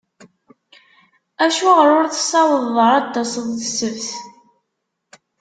Acuɣer ur tessawḍeḍ ara ad d-taseḍ d ssebt?